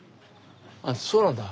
あっそうなんだ。